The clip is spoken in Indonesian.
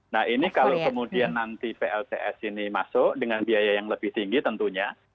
nah ini kalau kemudian nanti plts ini masuk dengan biaya yang lebih tinggi tentunya